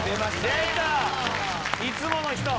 いつもの人。